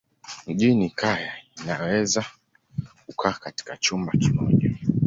Mjini kaya inaweza kukaa katika chumba kimoja.